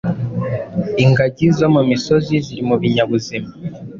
Ingagi zo mu misozi ziri mu binyabuzima